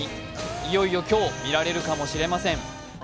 いよいよ今日、見られるかもしれません。